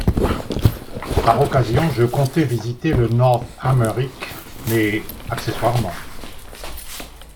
Par occasion, je comptais visiter le North-Amérique, mais accessoirement.